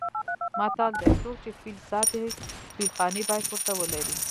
متل دی: څوک چې فیل ساتي فیل خانې باید ورته ولري.